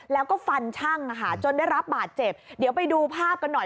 แล้วก็ฟันช่างจนได้รับบาดเจ็บเดี๋ยวไปดูภาพกันหน่อย